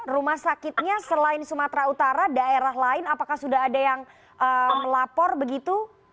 rumah sakitnya selain sumatera utara daerah lain apakah sudah ada yang melapor begitu